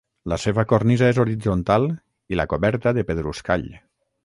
La seva cornisa és horitzontal i la coberta de pedruscall.